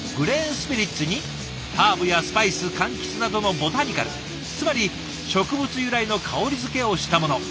スピリッツにハーブやスパイス柑橘などのボタニカルつまり植物由来の香りづけをしたもの。